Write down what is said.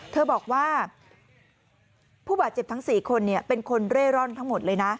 เธอบอกว่าผู้บาดเจ็บทั้ง๔คนเป็นคนเร่ร่อนทั้งหมดเลยนะ